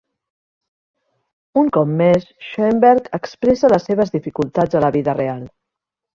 Un cop més, Schoenberg expressa les seves dificultats a la vida real.